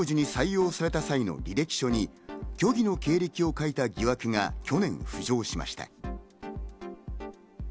大学の客員教授に採用された際の履歴書に虚偽の経歴を書いた疑惑が去年、浮上しました。